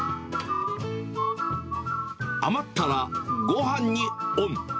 余ったら、ごはんにオン。